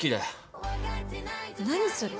何それ？